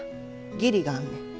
義理があんねん。